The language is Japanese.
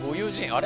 あれ？